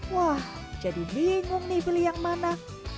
wah jadi bingung nih pilih yang mana